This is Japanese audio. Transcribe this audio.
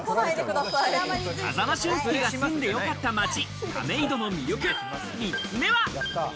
風間俊介が住んでよかった街・亀戸の魅力３つ目は。